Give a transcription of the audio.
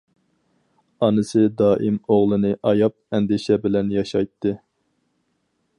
ئانىسى دائىم ئوغلىنى ئاياپ، ئەندىشە بىلەن ياشايتتى.